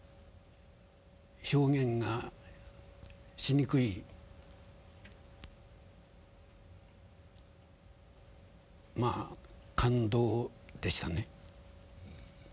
表現がしにくいまあ感動でしたね。